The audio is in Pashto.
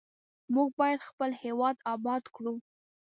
موږ باید خپل هیواد آباد کړو.